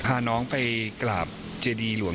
พาน้องไปกราบเจดีหลวง